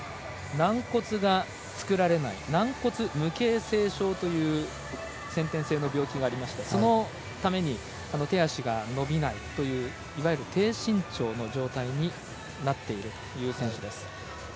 軟骨が作られない軟骨無形成症という先天性の病気がありましてそのために手足が伸びないといういわゆる低身長の状態になっているという選手です。